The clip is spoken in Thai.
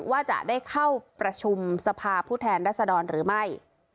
ว่าจะได้เข้าประชุมสภาผู้แทนรัศดรหรือไม่